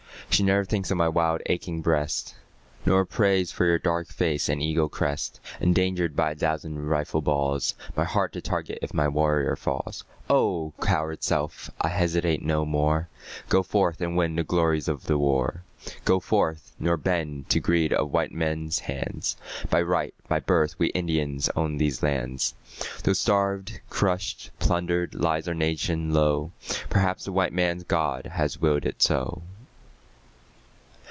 She never thinks of my wild aching breast, Nor prays for your dark face and eagle crest Endangered by a thousand rifle balls, My heart the target if my warrior falls. O! coward self I hesitate no more; Go forth, and win the glories of the war. Go forth, nor bend to greed of white men's hands, By right, by birth we Indians own these lands, Though starved, crushed, plundered, lies our nation low... Perhaps the white man's God has willed it so.